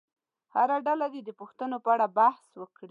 هره ډله دې د پوښتنو په اړه بحث وکړي.